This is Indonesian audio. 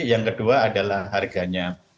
yang kedua adalah harganya